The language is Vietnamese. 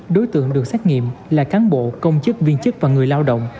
đối tượng được xét nghiệm là cán bộ công chức viên chức và người lao động